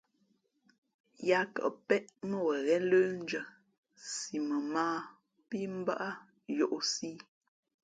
Yáá kαʼ péʼ mά wen ghén lə́ndʉ̄ᾱ si mα mᾱ ā pí mbᾱ á yōʼsī ī.